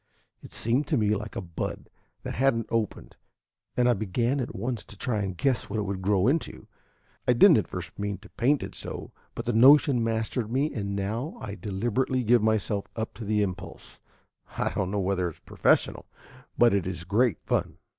It seemed to me like a bud that had n't opened; and I began at once to try and guess what it would grow into. I did n't at first mean to paint it so, but the notion mastered me, and now I deliberately give myself up to the impulse. I don't know whether it's professional, but it is great fun."